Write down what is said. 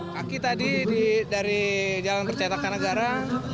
kaki tadi dari jalan percetakan negara